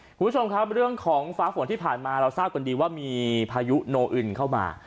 คุณผู้ชมครับเรื่องของฟ้าฝนที่ผ่านมาเราทราบกันดีว่ามีพายุโนอึนเข้ามา